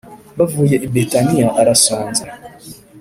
Bavuye i Betaniya arasonza